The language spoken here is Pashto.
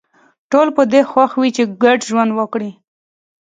ټول په دې خوښ وي چې ګډ ژوند وکړي